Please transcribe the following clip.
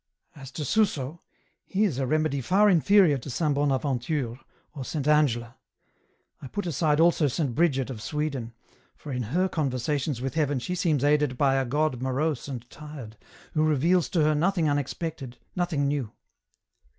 As to Suso, he is a remedy far inferior to Saint Bonaventure, or Saint Angela. I put aside also Saint Bridget of Sweden, for in her con versations with heaven she seems aided by a God morose and tired, who reveals to her nothing unexpected, nothing new.